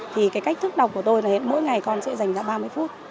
thì cái cách thức đọc của tôi là mỗi ngày con sẽ dành ra ba mươi phút